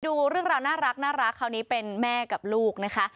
ดูเรื่องราวน่ารักคราวนี้เป็นแม่กับลูกนะคะ